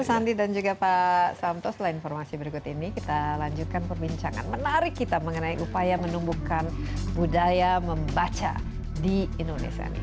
mas andi dan juga pak samto setelah informasi berikut ini kita lanjutkan perbincangan menarik kita mengenai upaya menumbuhkan budaya membaca di indonesia ini